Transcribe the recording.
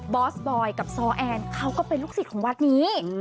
อสบอยกับซอแอนเขาก็เป็นลูกศิษย์ของวัดนี้